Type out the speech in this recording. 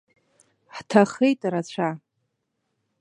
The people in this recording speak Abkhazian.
Ҳҭахеит рацәа.